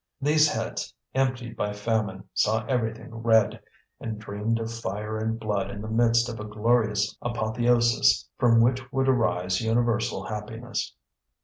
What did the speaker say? These heads, emptied by famine, saw everything red, and dreamed of fire and blood in the midst of a glorious apotheosis from which would arise universal happiness.